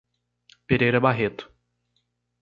Pereira Barreto